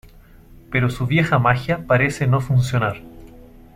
Pero su vieja magia parece no funcionar.